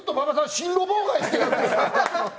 進路妨害してたんです。